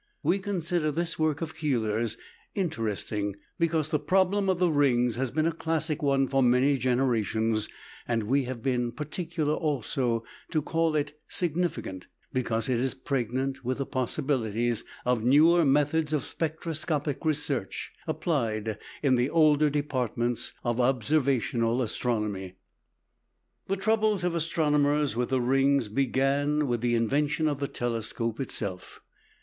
We consider this work of Keeler's interesting, because the problem of the rings has been a classic one for many generations; and we have been particular, also, to call it significant, because it is pregnant with the possibilities of newer methods of spectroscopic research, applied in the older departments of observational astronomy. The troubles of astronomers with the rings began with the invention of the telescope itself.